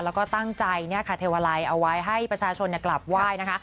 แล้วก็ตั้งใจเทวาลัยเอาไว้ให้ประชาชนกลับไหว้นะคะ